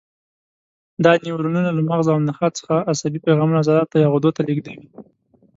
دا نیورونونه له مغز او نخاع څخه عصبي پیغامونه عضلاتو یا غدو ته لېږدوي.